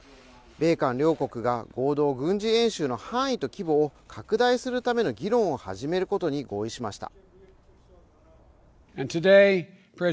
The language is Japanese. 米韓両国が合同軍事演習の範囲と規模を拡大するための議論を始めることに合意しました。